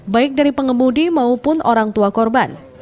baik dari pengemudi maupun orang tua korban